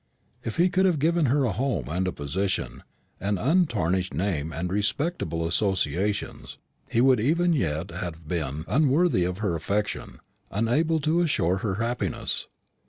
If he could have given her a home and a position, an untarnished name and respectable associations, he would even yet have been unworthy of her affection, unable to assure her happiness.